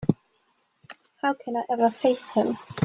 How can I ever face him?